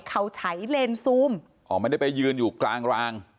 เขาใช้เลนซูมอ๋อไม่ได้ไปยืนอยู่กลางราง